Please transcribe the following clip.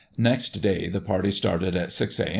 Next day, the party started at six a.